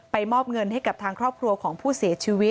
มอบเงินให้กับทางครอบครัวของผู้เสียชีวิต